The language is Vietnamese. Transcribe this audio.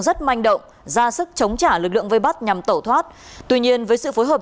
rất manh động ra sức chống trả lực lượng vây bắt nhằm tẩu thoát tuy nhiên với sự phối hợp